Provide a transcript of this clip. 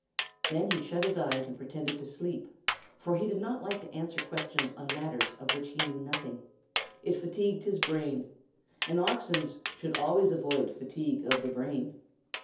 Then he shut his eyes and pretended to be asleep, for he did not like to answer questions on matters of which he knew nothing; it fatigued his brain, and oxen should always avoid fatigue of the brain.